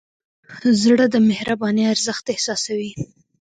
زړه د مهربانۍ ارزښت احساسوي.